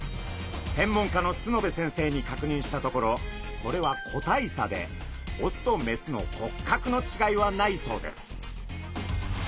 専門家の須之部先生に確認したところこれは個体差でオスとメスの骨格の違いはないそうです。